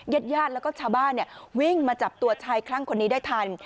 ญาติญาติแล้วก็ชาวบ้านวิ่งมาจับตัวชายคลั่งคนนี้ได้ทัน